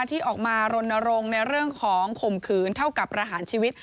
ที่ออกมารณรงค์ในเรื่องของข่มขืนเท่ากับประหารชีวิต